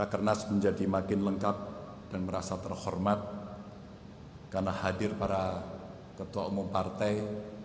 kernas menjadi makin lengkap dan merasa terhormat karena hadir para ketua umum partai